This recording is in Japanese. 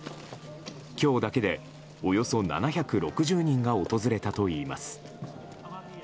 今日だけで、およそ７６０人が訪れたといいます。